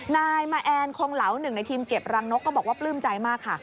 นายมาแอนคงเหลาหนึ่งในทีมเก็บรังนกก็บอกว่าปลื้มใจมากค่ะ